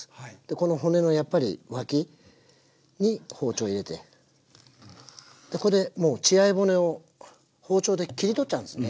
この骨のやっぱり脇に包丁入れてこれでもう血合い骨を包丁で切り取っちゃうんですね。